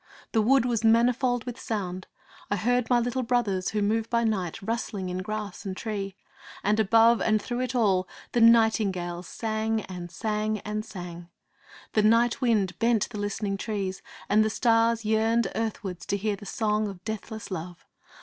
The wood was manifold with sound. I heard my little brothers who move by night rustling in grass and tree; and above and through it all the nightingales sang and sang and sang! The night wind bent the listening trees, and the stars yearned earthwards to hear the song of deathless love.